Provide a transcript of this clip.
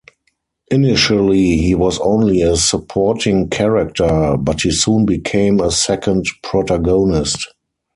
Initially, he was only a supporting character, but he soon became a second protagonist.